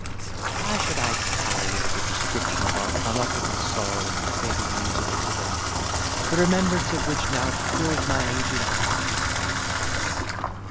"Why should I tire you with a description of our unutterable sorrow at the fatal news of this event, the remembrance of which now fills my aged eyes with tears!